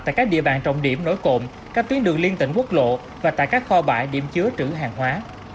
tại các địa bàn trọng điểm nổi cộng các tuyến đường liên tỉnh quốc lộ và tại các kho bãi điểm chứa trữ hàng hóa